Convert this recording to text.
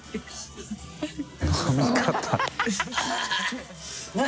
飲み方